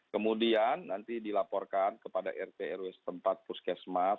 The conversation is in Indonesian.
kemudian nanti dilaporkan kepada rt rw setempat puskesmas